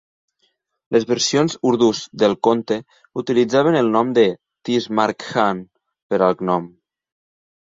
Les versions urdús del conte utilitzaven el nom de "Tees Mar Khan" per al gnom.